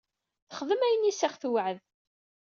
Texdem ayen iyes i aɣ-tewɛed.